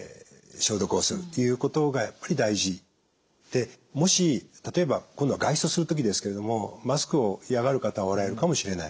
でもし例えば今度は外出をする時ですけれどもマスクを嫌がる方おられるかもしれない。